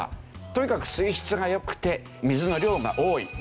とにかく水質が良くて水の量が多い。